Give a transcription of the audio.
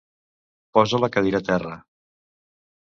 Posa la cadira a terra!